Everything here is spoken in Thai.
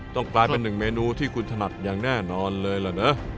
ต้องกลายเป็นหนึ่งเมนูที่คุณถนัดอย่างแน่นอนเลยเหรอ